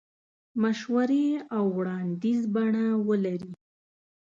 مشورې او وړاندیز بڼه ولري.